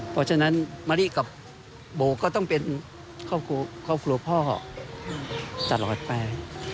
เพราะฉะนั้นมะลิกับโบก็ต้องเป็นครอบครัวพ่อตลอดไป